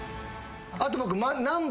あと僕。